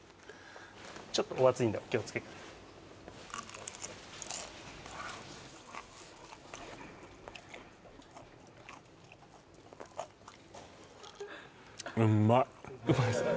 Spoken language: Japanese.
ちょっとお熱いんでお気をつけくださいうまいですか？